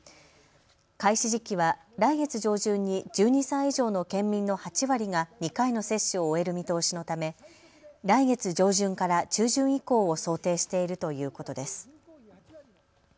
開始時期は来月上旬に１２歳以上の県民の８割が２回の接種を終える見通しのため来月上旬から中旬以降を想定しているということです。